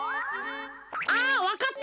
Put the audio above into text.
ああわかった！